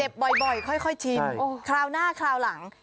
บ่อยค่อยชินคราวหน้าคราวหลัง